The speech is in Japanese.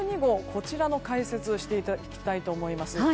こちらの解説をしていきたいと思います。